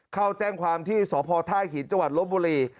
เข้าแจ้งความที่สธาขิตจลบบุรี